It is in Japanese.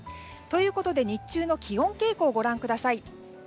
ということで日中の気温傾向ご覧ください。